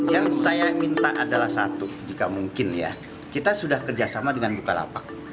yang saya minta adalah satu jika mungkin ya kita sudah kerjasama dengan bukalapak